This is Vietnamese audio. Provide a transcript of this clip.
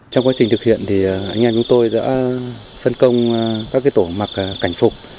trong quá trình thực hiện thì anh em chúng tôi đã phân công các tổ mặc cảnh phục